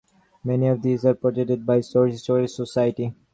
Many of these are promoted by Swords Historical Society.